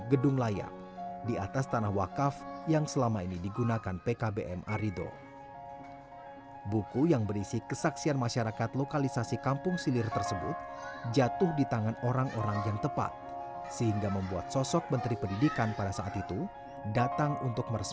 keterampilan pun semuanya disediakan oleh pkbm arido sehingga para orangtua murid tidak perlu